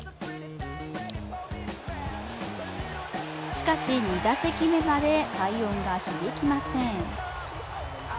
しかし、２打席目まで快音が響きません。